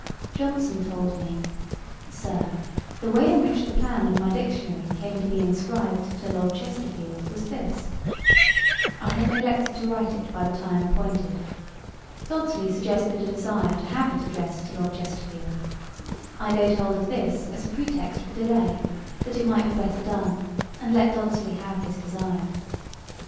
Johnson told me, 'Sir, the way in which the Plan of my Dictionary came to be inscribed to Lord Chesterfield, was this: I had neglected to write it by the time appointed. Dodsley suggested a desire to have it addressed to Lord Chesterfield. I laid hold of this as a pretext for delay, that it might be better done, and let Dodsley have his desire.